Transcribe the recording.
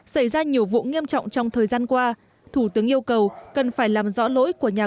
xảy ra nhiều vụ nghiêm trọng trong thời gian qua thủ tướng yêu cầu cần phải làm rõ lỗi của nhà